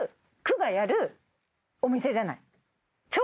町がやるお店じゃない。